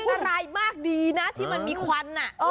อันตรายมากดีนะที่มันมีควัน